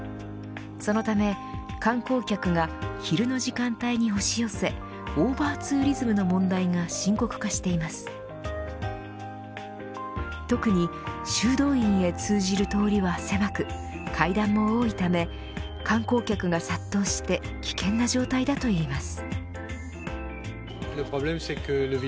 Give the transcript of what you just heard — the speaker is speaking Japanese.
そのため、観光客が昼の時間帯に押し寄せオーバーツーリズムの問題が深刻化しています特に、修道院へ通じる通りは狭く階段も多いため観光客は殺到して危険な状態だといいます。